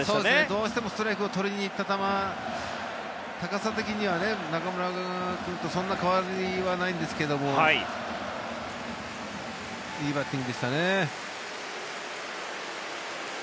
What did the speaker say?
どうしてもストライクを取りにいった球高さ的には中村君と、そんなに変わりはないんですけどもいいバッティングでしたね。